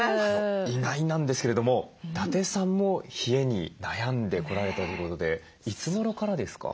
意外なんですけれども伊達さんも冷えに悩んでこられたということでいつごろからですか？